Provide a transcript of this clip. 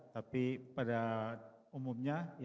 tapi pada umumnya